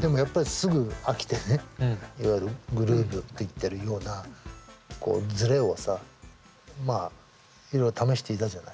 でもやっぱりすぐ飽きてねいわゆるグルーブって言ってるようなこうズレをさまあいろいろ試していたじゃない。